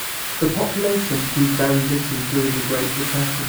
The population grew very little during the Great Depression.